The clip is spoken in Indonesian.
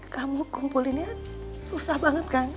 kamu kumpulinnya susah banget kan